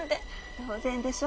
当然でしょ。